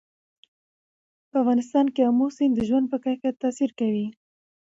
په افغانستان کې آمو سیند د ژوند په کیفیت تاثیر کوي.